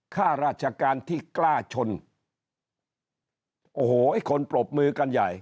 ข้าราชการที่กล้าชนโอ้โหไอ้คนปรบมือกันใหญ่